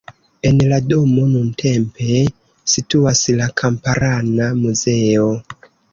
En la domo nuntempe situas la kamparana muzeo.